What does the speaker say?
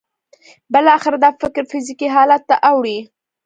بالاخره دا فکر فزیکي حالت ته اوړي